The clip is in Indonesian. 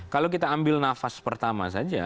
kalau kita ambil nafas pertama saja